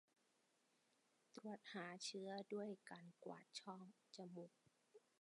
ตรวจหาเชื้อด้วยการกวาดช่องจมูก